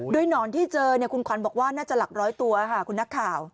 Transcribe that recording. โดยหนอนที่เจอคุณขวัญบอกว่าน่าจะหลักร้อยตัวค่ะคุณนักข่าว